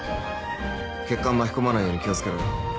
血管巻き込まないように気を付けろよ。